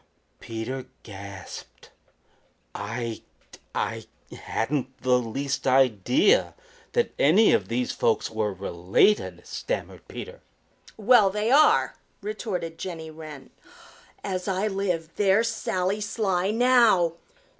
Peter gasped. "I I hadn't the least idea that any of these folks were related," stammered Peter. "Well, they are," retorted Jenny Wren. "As I live, there's Sally Sly now!"